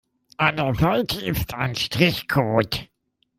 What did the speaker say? An der Seite ist ein Strichcode.